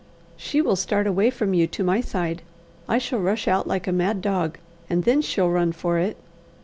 "She will start away from you to my side; I shall rush out like a mad dog, and then she'll run for it."